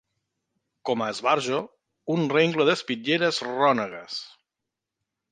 Com a esbarjo, un rengle d'espitlleres rònegues